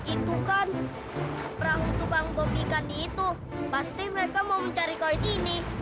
itu kan perahu tukang top ikan itu pasti mereka mau mencari kain ini